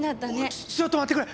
おいちょっと待ってくれ！